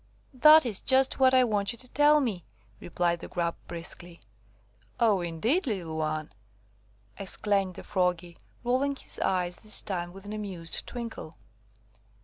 "That is just what I want you to tell me," replied the Grub briskly. "Oh, indeed, little one!" exclaimed the Froggy, rolling his eyes this time with an amused twinkle.